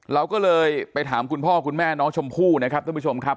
เราก็เลยไปถามคุณพ่อคุณแม่น้องชมพู่นะครับท่านผู้ชมครับ